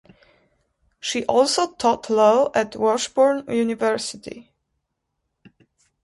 She also taught law at Washburn University.